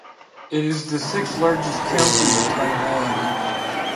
It is the sixth largest county in Taiwan.